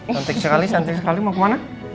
cantik sekali cantik sekali mau kemana